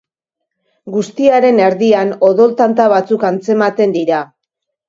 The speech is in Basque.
Guztiaren erdian, odol tanta batzuk antzematen dira.